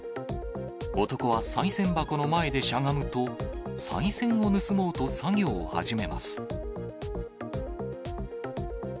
男はさい銭箱の前でしゃがむと、さい銭を盗もうと作業を始めます。